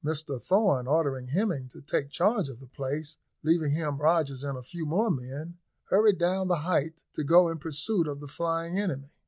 Mr Thorn ordering Hemming to take charge of the place, leaving him Rogers and a few more men, hurried down the height, to go in pursuit of the flying enemy.